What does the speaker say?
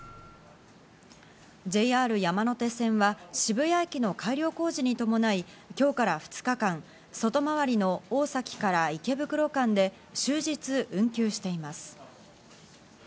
ＪＲ山手線は渋谷駅の改良工事に伴い、今日から２日間、外回りの大崎から池袋間で終日運休しています。